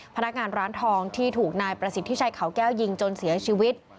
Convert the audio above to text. พนักงานร้านทองที่ถูกนายประสิทธิชัยเขาแก้วยิงจนเสียชีวิต